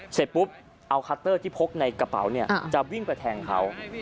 เสร็จปุ๊บเอาคัตเตอร์ที่พกในกระเป๋าเนี่ยจะวิ่งไปแทงเขา